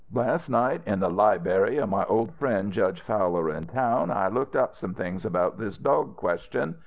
"Last night in the libery of my old friend Judge Fowler in town, I looked up some things about this dog question.